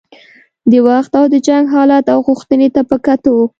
د وخت او د جنګ حالت او غوښتنې ته په کتو.